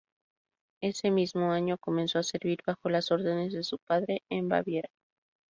Ese mismo año comenzó a servir bajo las órdenes de su padre en Baviera.